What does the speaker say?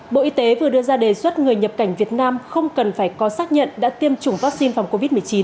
bộ y tế vừa đưa ra đề xuất người nhập cảnh việt nam không cần phải có xác nhận đã tiêm chủng vaccine phòng covid một mươi chín